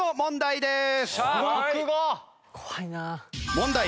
問題。